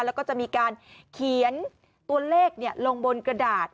แล้วก็จะมีการเขียนตัวเลขลงบนกระดาษ